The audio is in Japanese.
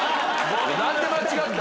何で間違った？